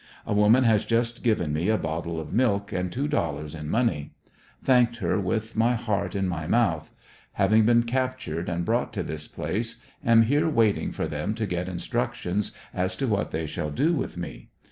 A woman has just given me a bottle of milk and two dollars in money. Thanked her with my heart in my mouth. Having been captured and brought to this place, am here waiting for them to get instructions as to what they shall do with me.